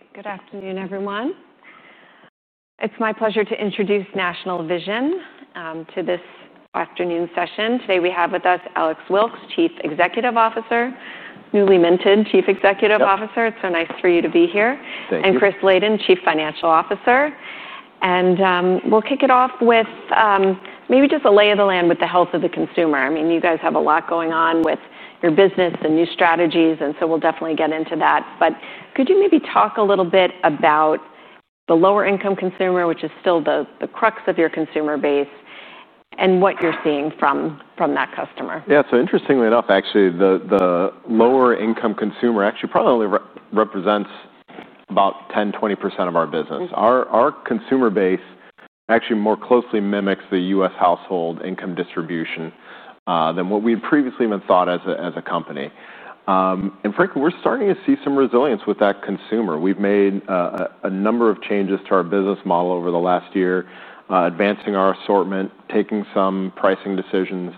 Okay, good afternoon, everyone. It's my pleasure to introduce National Vision to this afternoon session. Today we have with us Alex Wilkes, Chief Executive Officer, newly minted Chief Executive Officer. It's so nice for you to be here. Thank you. Chris Laden, Chief Financial Officer. We'll kick it off with maybe just a lay of the land with the health of the consumer. I mean, you guys have a lot going on with your business and new strategies, and so we'll definitely get into that. Could you maybe talk a little bit about the lower-income consumer, which is still the crux of your consumer base, and what you're seeing from that customer? Yeah, so interestingly enough, actually, the lower-income consumer actually probably only represents about 10%-20% of our business. Our consumer base actually more closely mimics the U.S. household income distribution than what we had previously even thought as a company. And frankly, we're starting to see some resilience with that consumer. We've made a number of changes to our business model over the last year, advancing our assortment, taking some pricing decisions.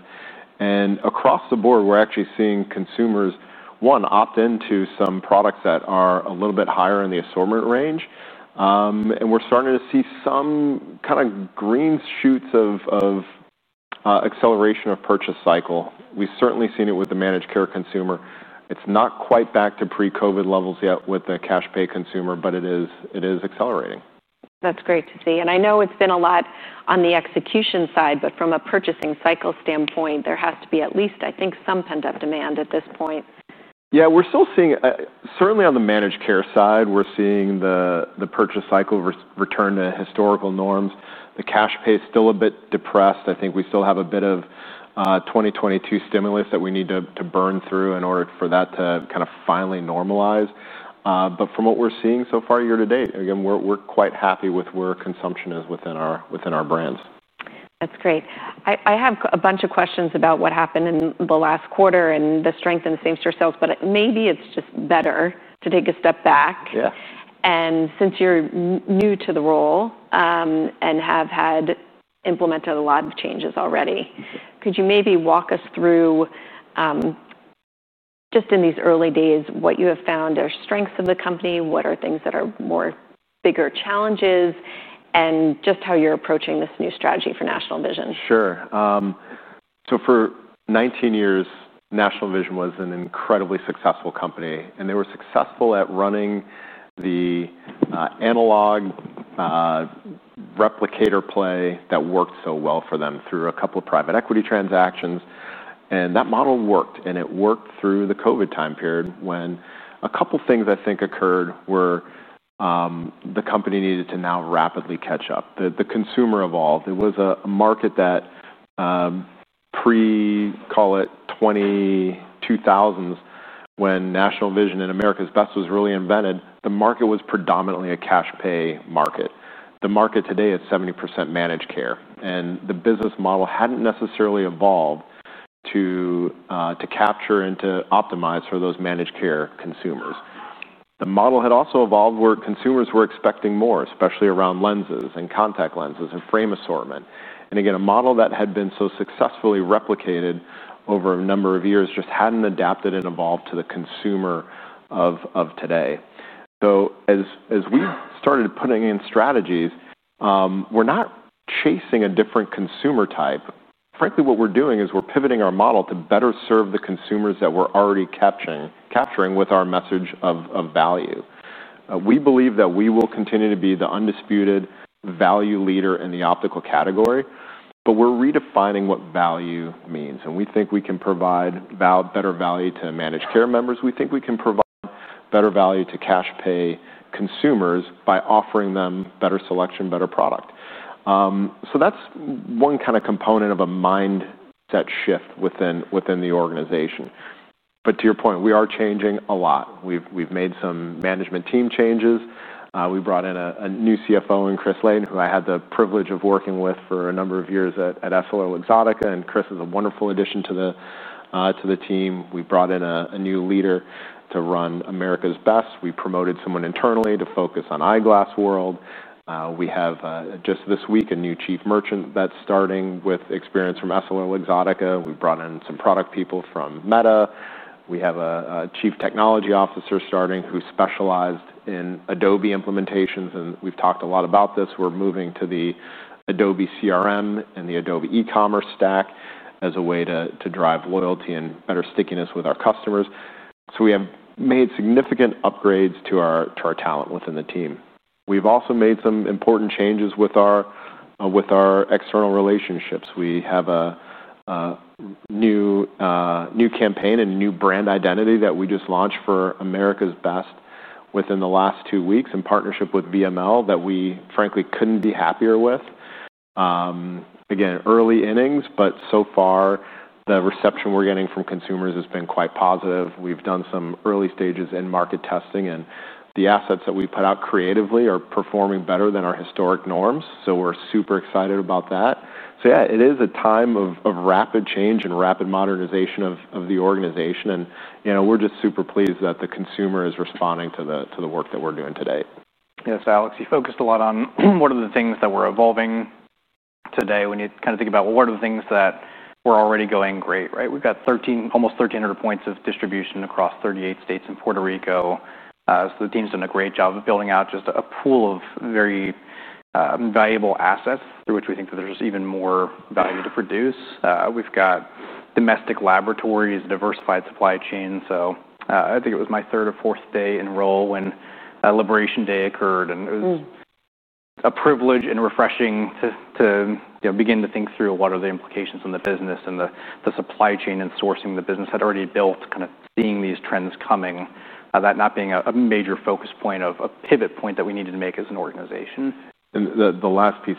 And across the board, we're actually seeing consumers, one, opt into some products that are a little bit higher in the assortment range. And we're starting to see some kind of green shoots of acceleration of purchase cycle. We've certainly seen it with the managed care consumer. It's not quite back to pre-COVID levels yet with the cash pay consumer, but it is accelerating. That's great to see and I know it's been a lot on the execution side, but from a purchasing cycle standpoint, there has to be at least, I think, some pent-up demand at this point. Yeah, we're still seeing, certainly on the managed care side, we're seeing the purchase cycle return to historical norms. The cash pay is still a bit depressed. I think we still have a bit of 2022 stimulus that we need to burn through in order for that to kind of finally normalize. But from what we're seeing so far year to date, again, we're quite happy with where consumption is within our brands. That's great. I have a bunch of questions about what happened in the last quarter and the strength and the same-store sales, but maybe it's just better to take a step back. Yeah. And since you're new to the role and have had implemented a lot of changes already, could you maybe walk us through, just in these early days, what you have found are strengths of the company? What are things that are more bigger challenges? And just how you're approaching this new strategy for National Vision? Sure. So for 19 years, National Vision was an incredibly successful company. And they were successful at running the analog replicator play that worked so well for them through a couple of private equity transactions. And that model worked. And it worked through the COVID time period when a couple of things I think occurred were the company needed to now rapidly catch up. The consumer evolved. It was a market that pre-2000s, when National Vision and America's Best was really invented, the market was predominantly a cash pay market. The market today is 70% managed care. And the business model hadn't necessarily evolved to capture and to optimize for those managed care consumers. The model had also evolved where consumers were expecting more, especially around lenses and contact lenses and frame assortment. And again, a model that had been so successfully replicated over a number of years just hadn't adapted and evolved to the consumer of today. So as we started putting in strategies, we're not chasing a different consumer type. Frankly, what we're doing is we're pivoting our model to better serve the consumers that we're already capturing with our message of value. We believe that we will continue to be the undisputed value leader in the optical category, but we're redefining what value means. And we think we can provide better value to managed care members. We think we can provide better value to cash pay consumers by offering them better selection, better product. So that's one kind of component of a mindset shift within the organization. But to your point, we are changing a lot. We've made some management team changes. We brought in a new CFO and Chris Laden, who I had the privilege of working with for a number of years at EssilorLuxottica, and Chris is a wonderful addition to the team. We brought in a new leader to run America's Best. We promoted someone internally to focus on Eyeglass World. We have just this week a new Chief Merchant that's starting with experience from EssilorLuxottica. We brought in some product people from Meta. We have a Chief Technology Officer starting who specialized in Adobe implementations, and we've talked a lot about this. We're moving to the Adobe CRM and the Adobe e-commerce stack as a way to drive loyalty and better stickiness with our customers, so we have made significant upgrades to our talent within the team. We've also made some important changes with our external relationships. We have a new campaign and new brand identity that we just launched for America's Best within the last two weeks in partnership with VML that we, frankly, couldn't be happier with. Again, early innings, but so far the reception we're getting from consumers has been quite positive. We've done some early stages in market testing, and the assets that we put out creatively are performing better than our historic norms, so we're super excited about that, so yeah, it is a time of rapid change and rapid modernization of the organization, and we're just super pleased that the consumer is responding to the work that we're doing today. Yes, Alex, you focused a lot on what are the things that we're evolving today when you kind of think about what are the things that we're already going great, right? We've got almost 1,300 points of distribution across 38 states and Puerto Rico, so the team's done a great job of building out just a pool of very valuable assets through which we think that there's even more value to produce. We've got domestic laboratories, diversified supply chains, so I think it was my third or fourth day in role when Liberation Day occurred, and it was a privilege and refreshing to begin to think through what are the implications on the business and the supply chain and sourcing the business had already built kind of seeing these trends coming, that not being a major focus point, a pivot point that we needed to make as an organization. And the last piece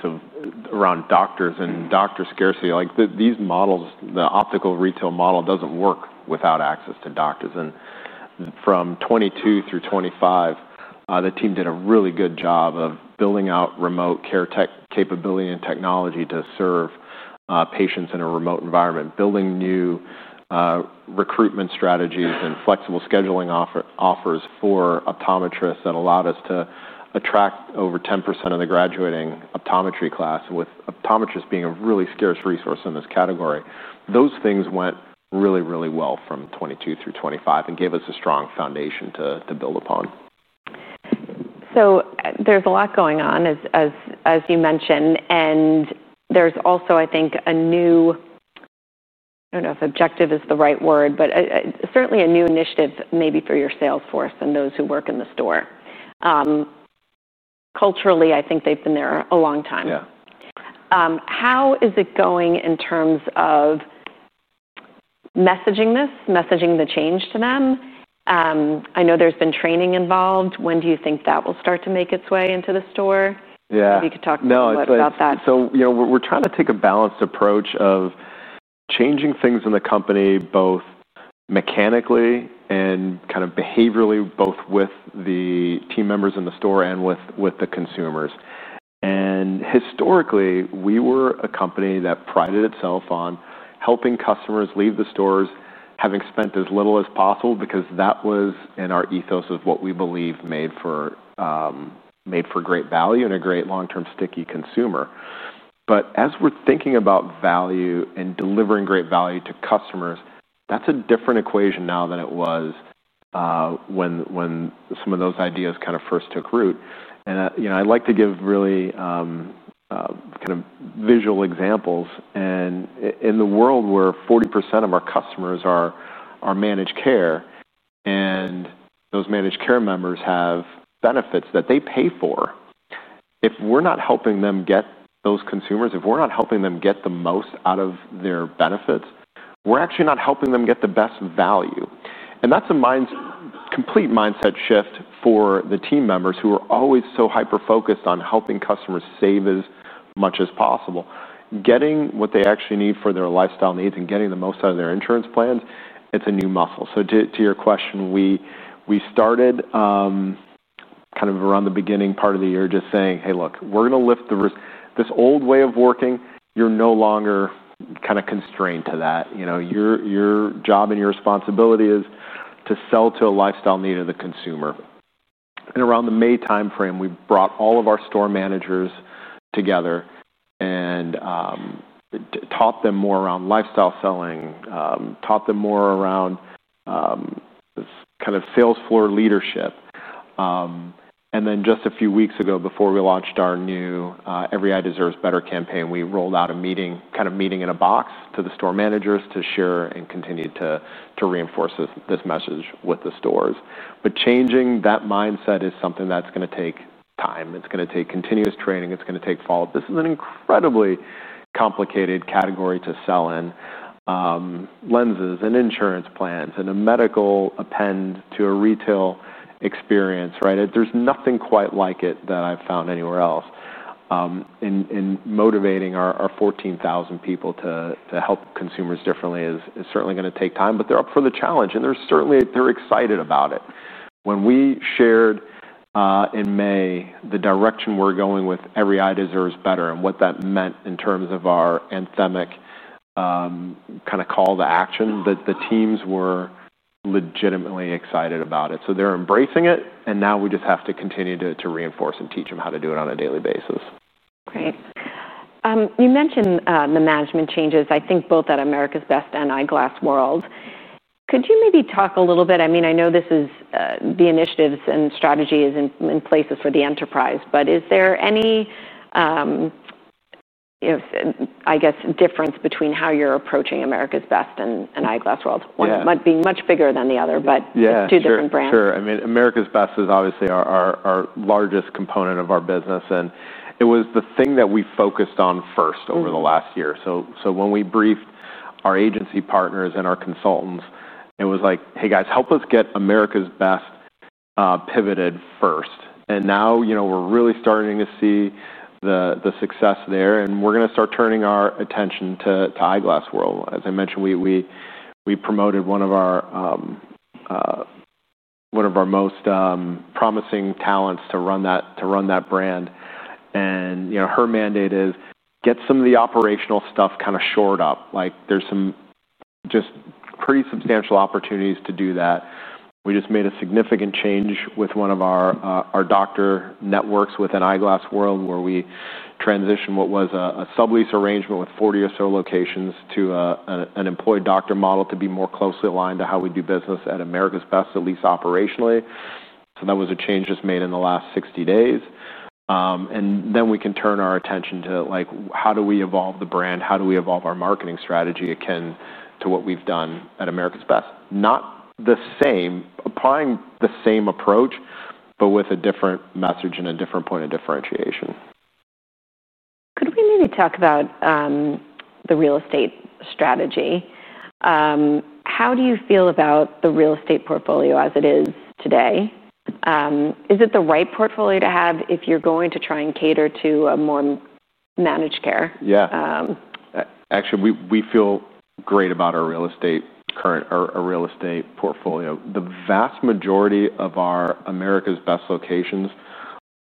around doctors and doctor scarcity. These models, the optical retail model, doesn't work without access to doctors. And from 2022 through 2025, the team did a really good job of building out remote care tech capability and technology to serve patients in a remote environment, building new recruitment strategies and flexible scheduling offers for optometrists that allowed us to attract over 10% of the graduating optometry class, with optometrists being a really scarce resource in this category. Those things went really, really well from 2022 through 2025 and gave us a strong foundation to build upon. So there's a lot going on, as you mentioned. And there's also, I think, a new, I don't know if objective is the right word, but certainly a new initiative maybe for your salesforce and those who work in the store. Culturally, I think they've been there a long time. Yeah. How is it going in terms of messaging this, messaging the change to them? I know there's been training involved. When do you think that will start to make its way into the store? Yeah. If you could talk to me about that. We're trying to take a balanced approach of changing things in the company, both mechanically and kind of behaviorally, both with the team members in the store and with the consumers. Historically, we were a company that prided itself on helping customers leave the stores, having spent as little as possible, because that was in our ethos of what we believe made for great value and a great long-term sticky consumer. As we're thinking about value and delivering great value to customers, that's a different equation now than it was when some of those ideas kind of first took root. I like to give really kind of visual examples. And in the world where 40% of our customers are managed care and those managed care members have benefits that they pay for, if we're not helping them get those consumers, if we're not helping them get the most out of their benefits, we're actually not helping them get the best value. And that's a complete mindset shift for the team members who are always so hyper-focused on helping customers save as much as possible. Getting what they actually need for their lifestyle needs and getting the most out of their insurance plans, it's a new muscle. So to your question, we started kind of around the beginning part of the year just saying, "Hey, look, we're going to lift this old way of working. You're no longer kind of constrained to that. Your job and your responsibility is to sell to a lifestyle need of the consumer," and around the May time frame, we brought all of our store managers together and taught them more around lifestyle selling, taught them more around kind of sales floor leadership. And then just a few weeks ago, before we launched our new Every Eye Deserves Better campaign, we rolled out a kind of meeting in a box to the store managers to share and continue to reinforce this message with the stores. But changing that mindset is something that's going to take time. It's going to take continuous training. It's going to take follow-up. This is an incredibly complicated category to sell in: lenses and insurance plans and a medical append to a retail experience, right? There's nothing quite like it that I've found anywhere else. Motivating our 14,000 people to help consumers differently is certainly going to take time, but they're up for the challenge. They're certainly excited about it. When we shared in May the direction we're going with Every Eye Deserves Better and what that meant in terms of our anthemic kind of call to action, the teams were legitimately excited about it. They're embracing it. Now we just have to continue to reinforce and teach them how to do it on a daily basis. Great. You mentioned the management changes, I think both at America's Best and Eyeglass World. Could you maybe talk a little bit? I mean, I know the initiatives and strategy is in place for the enterprise, but is there any, I guess, difference between how you're approaching America's Best and Eyeglass World? One might be much bigger than the other, but two different brands. Sure. I mean, America's Best is obviously our largest component of our business. And it was the thing that we focused on first over the last year. So when we briefed our agency partners and our consultants, it was like, "Hey guys, help us get America's Best pivoted first." And now we're really starting to see the success there. And we're going to start turning our attention to Eyeglass World. As I mentioned, we promoted one of our most promising talents to run that brand. And her mandate is get some of the operational stuff kind of shored up. There's some just pretty substantial opportunities to do that. We just made a significant change with one of our doctor networks within Eyeglass World, where we transitioned what was a sub-lease arrangement with 40 or so locations to an employed doctor model to be more closely aligned to how we do business at America's Best at least operationally, so that was a change just made in the last 60 days, and then we can turn our attention to how do we evolve the brand? How do we evolve our marketing strategy akin to what we've done at America's Best? Not the same, applying the same approach, but with a different message and a different point of differentiation. Could we maybe talk about the real estate strategy? How do you feel about the real estate portfolio as it is today? Is it the right portfolio to have if you're going to try and cater to a more managed care? Yeah. Actually, we feel great about our real estate portfolio. The vast majority of our America's Best locations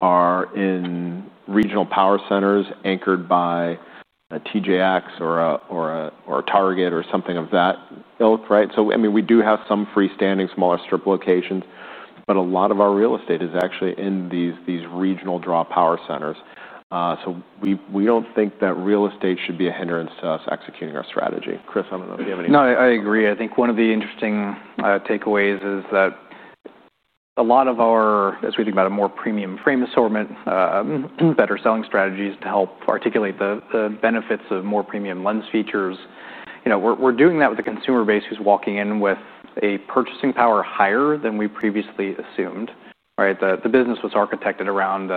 are in regional power centers anchored by TJX or Target or something of that ilk, right? So I mean, we do have some freestanding smaller strip locations, but a lot of our real estate is actually in these regional draw power centers. So we don't think that real estate should be a hindrance to us executing our strategy. Chris, I don't know if you have anything. No, I agree. I think one of the interesting takeaways is that a lot of our, as we think about a more premium frame assortment, better selling strategies to help articulate the benefits of more premium lens features. We're doing that with a consumer base who's walking in with a purchasing power higher than we previously assumed, right? The business was architected around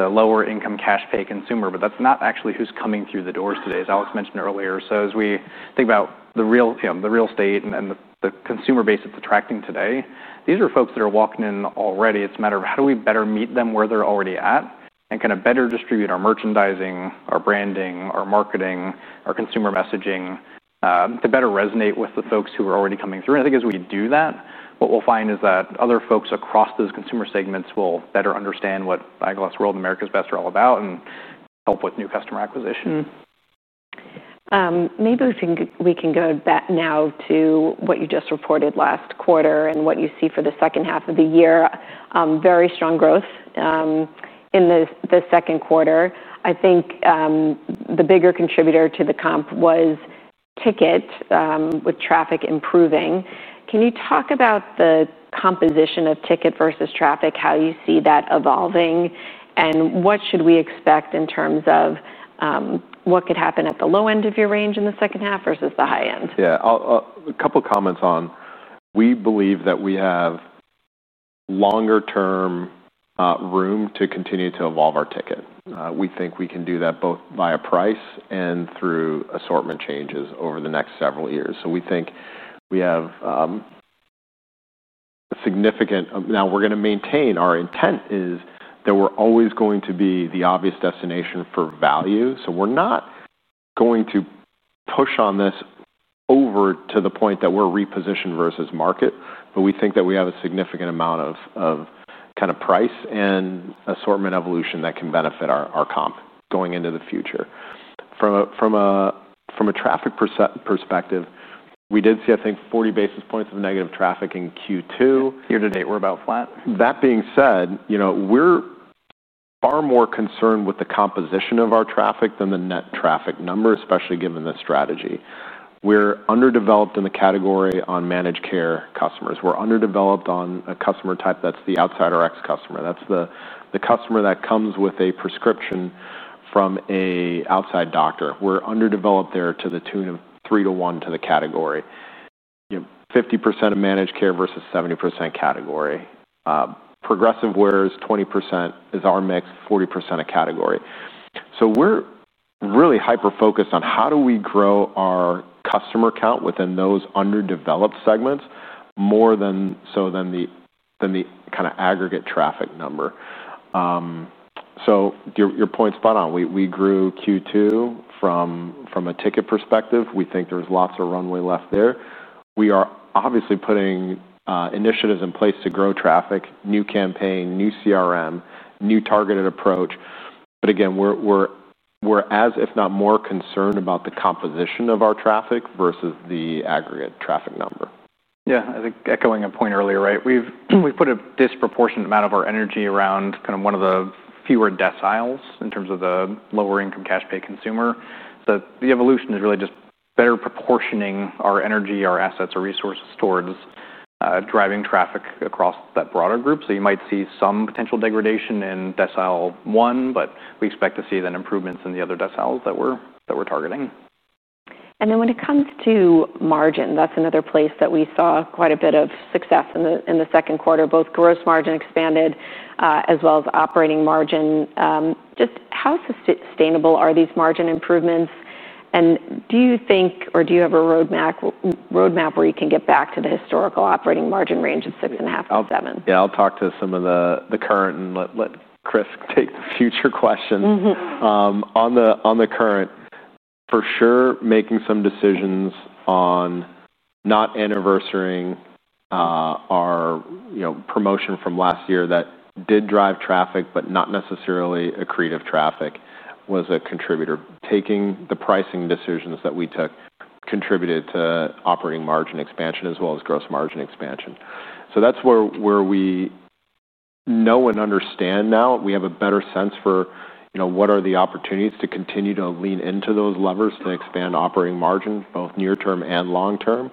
the lower-income cash pay consumer, but that's not actually who's coming through the doors today, as Alex mentioned earlier. So as we think about the real estate and the consumer base that's attracting today, these are folks that are walking in already. It's a matter of how do we better meet them where they're already at and kind of better distribute our merchandising, our branding, our marketing, our consumer messaging to better resonate with the folks who are already coming through. I think as we do that, what we'll find is that other folks across those consumer segments will better understand what Eyeglass World and America's Best are all about and help with new customer acquisition. Maybe we can go back now to what you just reported last quarter and what you see for the second half of the year. Very strong growth in the second quarter. I think the bigger contributor to the comp was ticket with traffic improving. Can you talk about the composition of ticket versus traffic, how you see that evolving, and what should we expect in terms of what could happen at the low end of your range in the second half versus the high end? Yeah. A couple of comments on. We believe that we have longer-term room to continue to evolve our ticket. We think we can do that both by a price and through assortment changes over the next several years. So we think we have significant. Now, we're going to maintain our intent is that we're always going to be the obvious destination for value. So we're not going to push on this over to the point that we're repositioned versus market, but we think that we have a significant amount of kind of price and assortment evolution that can benefit our comp going into the future. From a traffic perspective, we did see, I think, 40 basis points of negative traffic in Q2. Year to date, we're about flat. That being said, we're far more concerned with the composition of our traffic than the net traffic number, especially given the strategy. We're underdeveloped in the category on managed care customers. We're underdeveloped on a customer type that's the outside or Rx customer. That's the customer that comes with a prescription from an outside doctor. We're underdeveloped there to the tune of three to one to the category. 50% of managed care versus 70% category. Progressive lenses, 20% is our mix, 40% of category. So we're really hyper-focused on how do we grow our customer count within those underdeveloped segments more so than the kind of aggregate traffic number. So your point's spot on. We grew Q2 from a ticket perspective. We think there's lots of runway left there. We are obviously putting initiatives in place to grow traffic, new campaign, new CRM, new targeted approach. But again, we're as, if not more, concerned about the composition of our traffic versus the aggregate traffic number. Yeah. I think echoing a point earlier, right? We've put a disproportionate amount of our energy around kind of one of the fewer deciles in terms of the lower-income cash pay consumer. So the evolution is really just better proportioning our energy, our assets, our resources towards driving traffic across that broader group. So you might see some potential degradation in decile one, but we expect to see then improvements in the other deciles that we're targeting. And then when it comes to margin, that's another place that we saw quite a bit of success in the second quarter, both gross margin expanded as well as operating margin. Just how sustainable are these margin improvements? And do you think, or do you have a roadmap where you can get back to the historical operating margin range of 6.5%-7%? Yeah. I'll talk to some of the current and let Chris take the future questions. On the current, for sure, making some decisions on not anniversarying our promotion from last year that did drive traffic, but not necessarily accretive traffic, was a contributor. Taking the pricing decisions that we took contributed to operating margin expansion as well as gross margin expansion. So that's where we know and understand now. We have a better sense for what are the opportunities to continue to lean into those levers to expand operating margin, both near-term and long-term.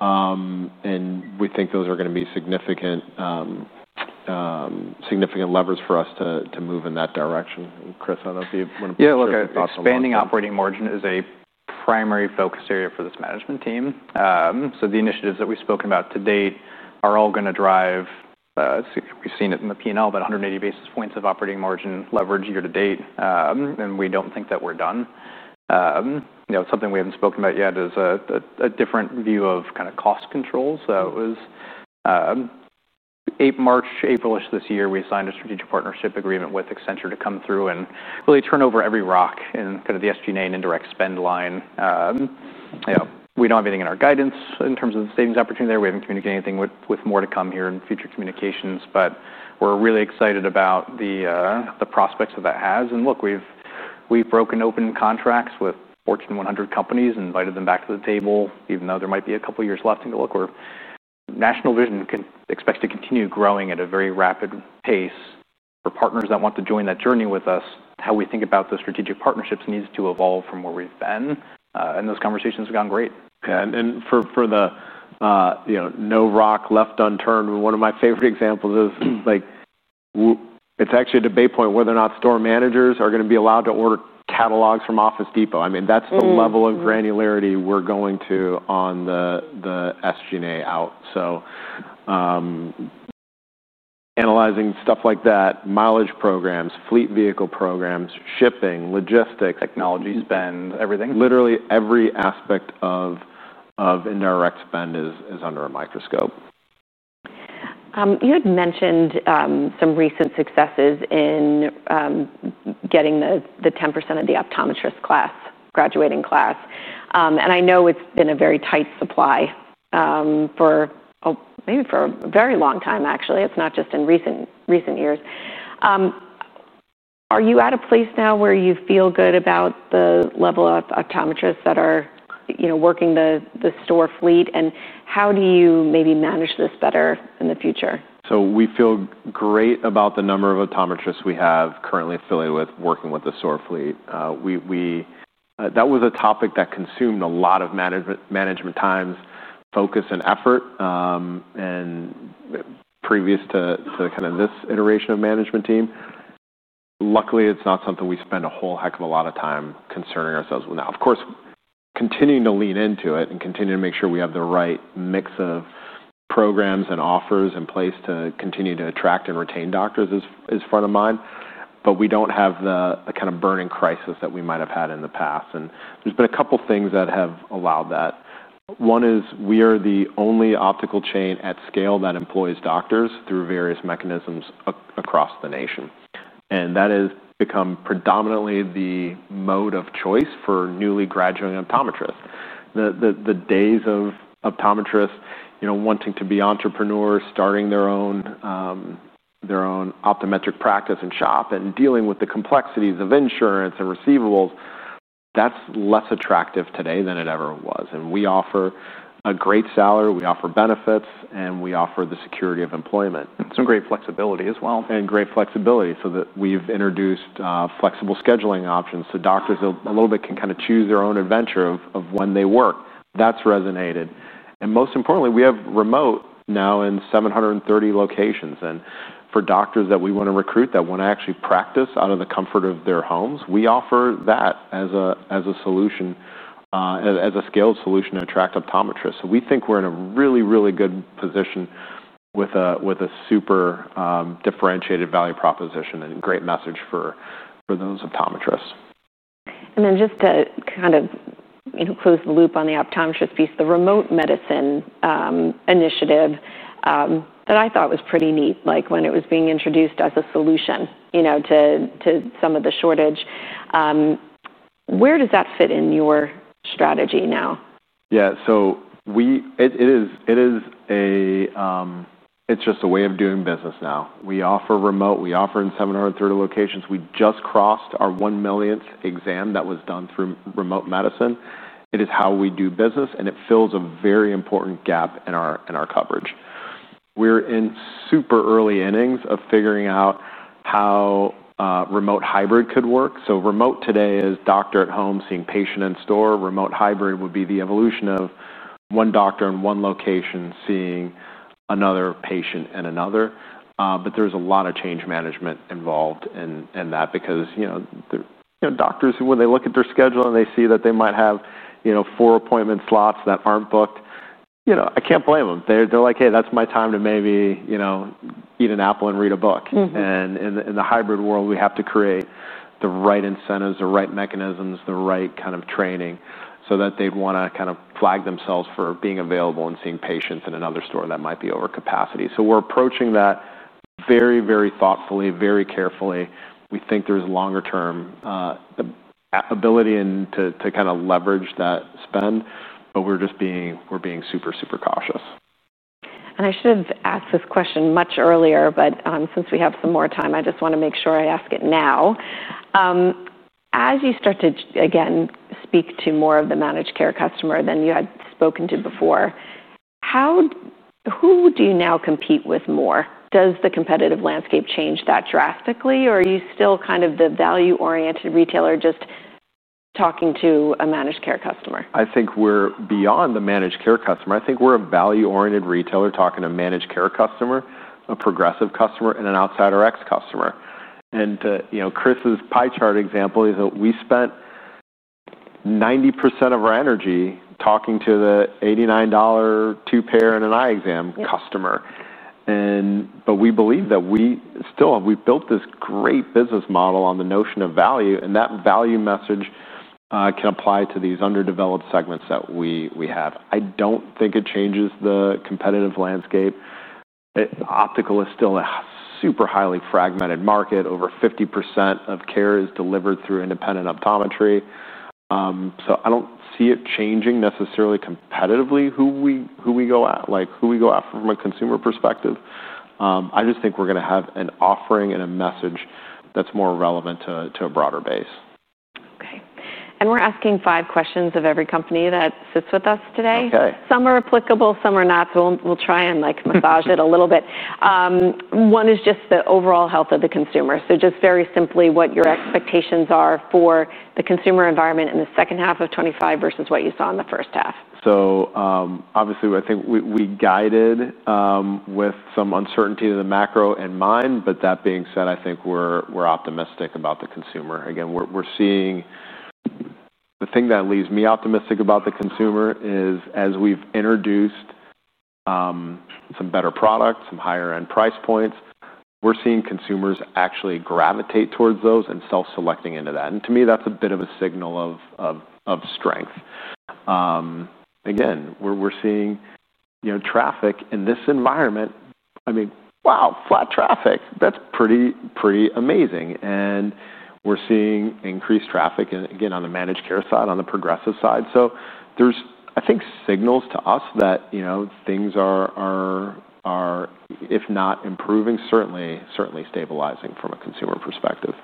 And we think those are going to be significant levers for us to move in that direction. Chris, I don't know if you want to push that. Yeah. Look, expanding operating margin is a primary focus area for this management team. So the initiatives that we've spoken about to date are all going to drive, we've seen it in the P&L, about 180 basis points of operating margin leverage year to date. And we don't think that we're done. Something we haven't spoken about yet is a different view of kind of cost controls. So it was March/April-ish this year, we signed a strategic partnership agreement with Accenture to come through and really turn over every rock in kind of the SG&A and indirect spend line. We don't have anything in our guidance in terms of the savings opportunity there. We haven't communicated anything with more to come here in future communications, but we're really excited about the prospects of that. Look, we've broken open contracts with Fortune 100 companies and invited them back to the table, even though there might be a couple of years left to go. Look, National Vision expects to continue growing at a very rapid pace. For partners that want to join that journey with us, how we think about the strategic partnerships needs to evolve from where we've been. Those conversations have gone great. And for the no stone left unturned, one of my favorite examples is it's actually a debate point whether or not store managers are going to be allowed to order catalogs from Office Depot. I mean, that's the level of granularity we're going to on the SG&A out. So analyzing stuff like that, mileage programs, fleet vehicle programs, shipping, logistics. Technology spend, everything. Literally, every aspect of indirect spend is under a microscope. You had mentioned some recent successes in getting the 10% of the optometrist class, graduating class, and I know it's been a very tight supply for maybe for a very long time, actually. It's not just in recent years. Are you at a place now where you feel good about the level of optometrists that are working the store fleet, and how do you maybe manage this better in the future? We feel great about the number of optometrists we have currently affiliated with working with the store fleet. That was a topic that consumed a lot of management times, focus, and effort previous to kind of this iteration of management team. Luckily, it's not something we spend a whole heck of a lot of time concerning ourselves with now. Of course, continuing to lean into it and continue to make sure we have the right mix of programs and offers in place to continue to attract and retain doctors is front of mind. But we don't have the kind of burning crisis that we might have had in the past. And there's been a couple of things that have allowed that. One is we are the only optical chain at scale that employs doctors through various mechanisms across the nation. That has become predominantly the mode of choice for newly graduating optometrists. The days of optometrists wanting to be entrepreneurs, starting their own optometric practice and shop and dealing with the complexities of insurance and receivables, that's less attractive today than it ever was. We offer a great salary. We offer benefits, and we offer the security of employment. Some great flexibility as well. Great flexibility so that we've introduced flexible scheduling options so doctors a little bit can kind of choose their own adventure of when they work. That's resonated. Most importantly, we have remote now in 730 locations. For doctors that we want to recruit that want to actually practice out of the comfort of their homes, we offer that as a solution, as a scaled solution to attract optometrists. We think we're in a really, really good position with a super differentiated value proposition and great message for those optometrists. Just to kind of close the loop on the optometrist piece, the remote medicine initiative that I thought was pretty neat, like when it was being introduced as a solution to some of the shortage. Where does that fit in your strategy now? Yeah. So it is a, it's just a way of doing business now. We offer remote. We offer in 730 locations. We just crossed our one millionth exam that was done through remote medicine. It is how we do business, and it fills a very important gap in our coverage. We're in super early innings of figuring out how remote hybrid could work. So remote today is doctor at home seeing patient in store. Remote hybrid would be the evolution of one doctor in one location seeing another patient in another. But there's a lot of change management involved in that because doctors, when they look at their schedule and they see that they might have four appointment slots that aren't booked, I can't blame them. They're like, "Hey, that's my time to maybe eat an apple and read a book." And in the hybrid world, we have to create the right incentives, the right mechanisms, the right kind of training so that they'd want to kind of flag themselves for being available and seeing patients in another store that might be over capacity. So we're approaching that very, very thoughtfully, very carefully. We think there's longer-term ability to kind of leverage that spend, but we're being super, super cautious. I should have asked this question much earlier, but since we have some more time, I just want to make sure I ask it now. As you start to, again, speak to more of the managed care customer than you had spoken to before, who do you now compete with more? Does the competitive landscape change that drastically, or are you still kind of the value-oriented retailer just talking to a managed care customer? I think we're beyond the managed care customer. I think we're a value-oriented retailer talking to a managed care customer, a progressive customer, and an outside or Rx customer, and Chris's pie chart example is that we spent 90% of our energy talking to the $89 two-pair and an eye exam customer. But we believe that we still have. We've built this great business model on the notion of value, and that value message can apply to these underdeveloped segments that we have. I don't think it changes the competitive landscape. Optical is still a super highly fragmented market. Over 50% of care is delivered through independent optometry, so I don't see it changing necessarily competitively who we go at, like who we go at from a consumer perspective. I just think we're going to have an offering and a message that's more relevant to a broader base. Okay. And we're asking five questions of every company that sits with us today. Some are applicable, some are not, so we'll try and massage it a little bit. One is just the overall health of the consumer. So just very simply, what your expectations are for the consumer environment in the second half of 2025 versus what you saw in the first half. So obviously, I think we guided with some uncertainty of the macro in mind, but that being said, I think we're optimistic about the consumer. Again, we're seeing the thing that leaves me optimistic about the consumer is as we've introduced some better products, some higher-end price points, we're seeing consumers actually gravitate towards those and self-selecting into that. And to me, that's a bit of a signal of strength. Again, we're seeing traffic in this environment. I mean, wow, flat traffic. That's pretty amazing. And we're seeing increased traffic, again, on the managed care side, on the progressive side. So there's, I think, signals to us that things are, if not improving, certainly stabilizing from a consumer perspective.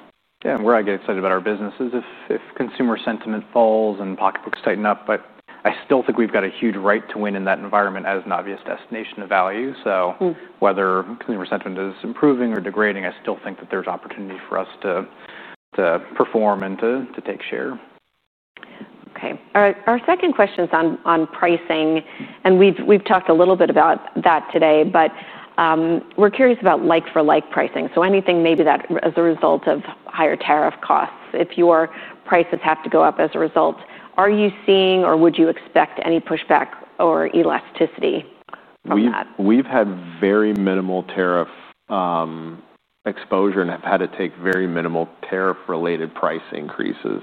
Yeah, and where I get excited about our business is if consumer sentiment falls and pocketbooks tighten up, but I still think we've got a huge right to win in that environment as an obvious destination of value, so whether consumer sentiment is improving or degrading, I still think that there's opportunity for us to perform and to take share. Okay. All right. Our second question is on pricing, and we've talked a little bit about that today, but we're curious about like-for-like pricing. So anything maybe that as a result of higher tariff costs, if your prices have to go up as a result, are you seeing or would you expect any pushback or elasticity with that? We've had very minimal tariff exposure and have had to take very minimal tariff-related price increases.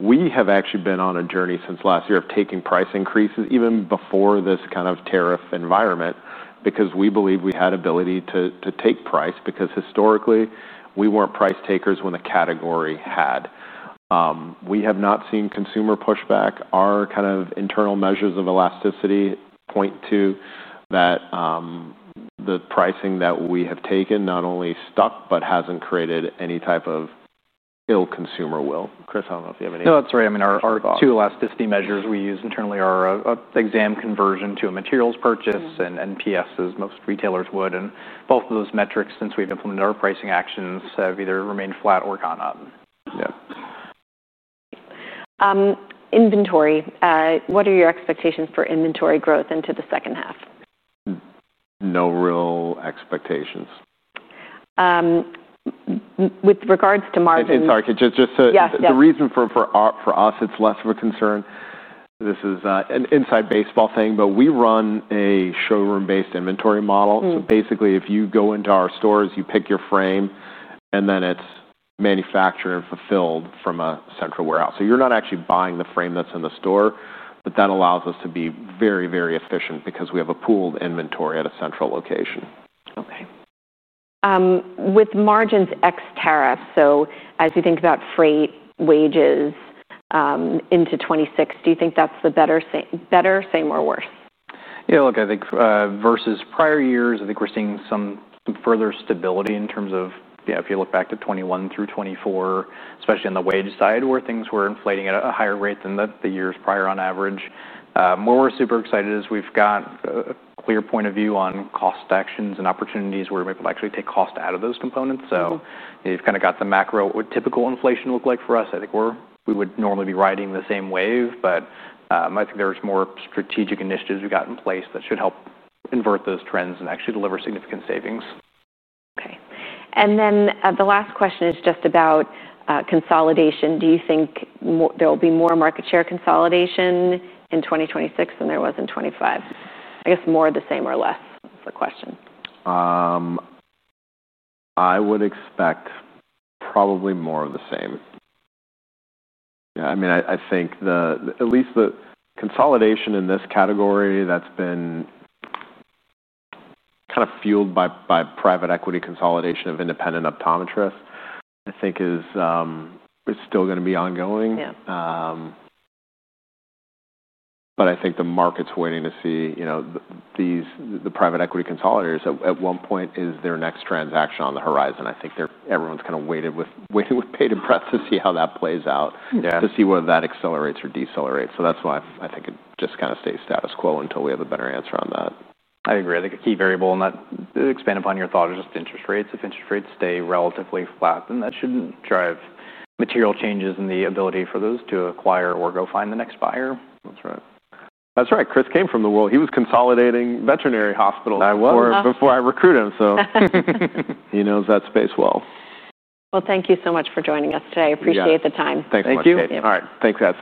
We have actually been on a journey since last year of taking price increases even before this kind of tariff environment because we believe we had ability to take price because historically, we weren't price takers when the category had. We have not seen consumer pushback. Our kind of internal measures of elasticity point to that the pricing that we have taken not only stuck, but hasn't created any type of ill-consumer will. Chris, I don't know if you have anything to talk about. No, that's right. I mean, our two elasticity measures we use internally are exam conversion to a materials purchase and NPS, as most retailers would. And both of those metrics, since we've implemented our pricing actions, have either remained flat or gone up. Yeah. Inventory. What are your expectations for inventory growth into the second half? No real expectations. With regards to margin. Sorry, just to. Yeah. The reason for us, it's less of a concern. This is an inside baseball thing, but we run a showroom-based inventory model. So basically, if you go into our stores, you pick your frame, and then it's manufactured and fulfilled from a central warehouse. So you're not actually buying the frame that's in the store, but that allows us to be very, very efficient because we have a pooled inventory at a central location. Okay. With margins ex-tariff, so as you think about freight wages into 2026, do you think that's the better, same or worse? Yeah. Look, I think versus prior years, I think we're seeing some further stability in terms of, yeah, if you look back to 2021 through 2024, especially on the wage side where things were inflating at a higher rate than the years prior on average. Where we're super excited is we've got a clear point of view on cost actions and opportunities where we're able to actually take cost out of those components. So you've kind of got the macro, what typical inflation looked like for us. I think we would normally be riding the same wave, but I think there's more strategic initiatives we've got in place that should help invert those trends and actually deliver significant savings. Okay. And then the last question is just about consolidation. Do you think there will be more market share consolidation in 2026 than there was in 2025? I guess more of the same or less is the question. I would expect probably more of the same. Yeah. I mean, I think at least the consolidation in this category that's been kind of fueled by private equity consolidation of independent optometrists, I think is still going to be ongoing. But I think the market's waiting to see the private equity consolidators at one point is their next transaction on the horizon. I think everyone's kind of waiting with bated breath to see how that plays out, to see whether that accelerates or decelerates. So that's why I think it just kind of stays status quo until we have a better answer on that. I agree. I think a key variable on that, expand upon your thought, is just interest rates. If interest rates stay relatively flat, then that shouldn't drive material changes in the ability for those to acquire or go find the next buyer. That's right. That's right. Chris came from the world. He was consolidating veterinary hospitals. I was. Before I recruited him, so he knows that space well. Thank you so much for joining us today. I appreciate the time. Thanks. Thank you. All right. Thanks.